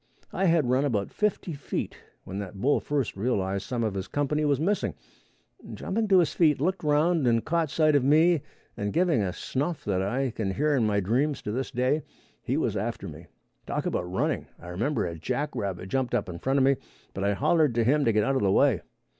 I had run about fifty feet when that bull first realized some of his company was missing, and jumping to his feet looked around and caught sight of me, and giving a snuff that I can hear in my dreams to this day, he was after me. Talk about running. I remember a jackrabbit jumped up in front of me, but I hollered to him to get out of the way.